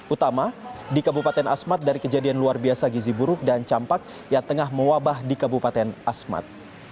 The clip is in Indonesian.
utama di kabupaten asmat dari kejadian luar biasa gizi buruk dan campak yang tengah mewabah di kabupaten asmat